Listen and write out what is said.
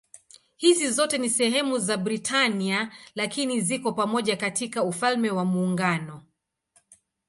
Hizi zote si sehemu ya Britania lakini ziko pamoja katika Ufalme wa Muungano.